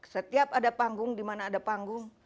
setiap ada panggung di mana ada panggung